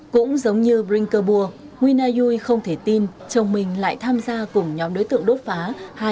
cũng giống như brinkerburg nguyên a duy không thể tin chồng mình lại tham gia cùng nhóm đối tượng đốt phá